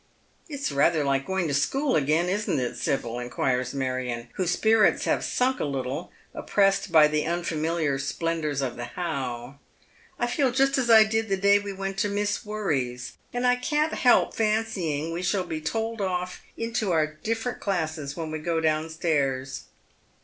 " It's rather like going to school again, isn't it, Sibyl ?" in quires Marion, whose spirits have sunk a little, oppressed by the unfamiliar splendours of the How, " I feel just as I did the day we went to Miss Worries, and I can't help fancying we shall be told o£E into our different classes when we go down stairs."